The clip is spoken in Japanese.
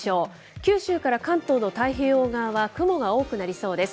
九州から関東の太平洋側は雲が多くなりそうです。